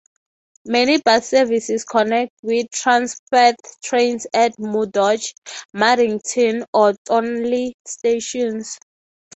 Many bus services connect with Transperth trains at Murdoch, Maddington or Thornlie stations.